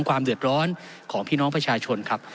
ความเดือดร้อนของพี่น้องประชาชนครับ